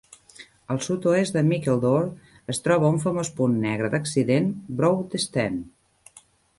Al sud-oest de Mickledore, es troba un famós punt negre d'accident, Broad Stand.